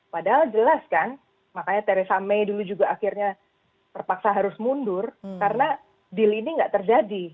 padahal jelas kan makanya theresa may dulu juga akhirnya terpaksa harus mundur karena deal ini nggak terjadi